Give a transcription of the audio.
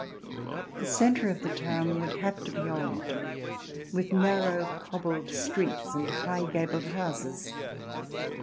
The centre of the town would have to be old — with narrow cobbled streets and high gabled houses.